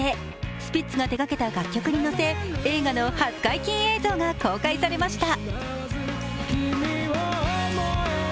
スピッツが手がけた楽曲にのせ映画の初解禁映像が公開されました。